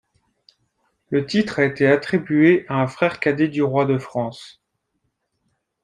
Le titre a été attribué à un frère cadet du roi de France.